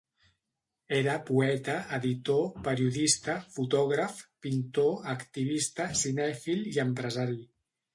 Era poeta, editor, periodista, fotògraf, pintor, activista, cinèfil i empresari.